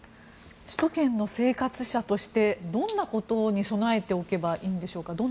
首都圏の生活者としてどんなことに備えておけばいいんでしょうか。